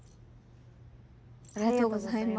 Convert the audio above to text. ありがとうございます。